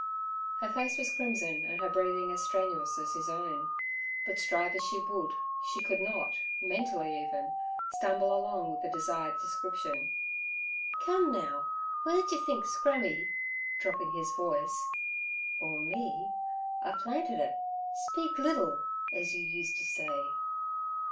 Her face was crimson and her breathing as strenuous as his own, but, strive as she would, she could not, mentally even, stumble along with the desired description. 'Come, now, weer d' yer think Scrammy' dropping his voice, 'or me a planted it? Speak liddle, ez you used t' say.'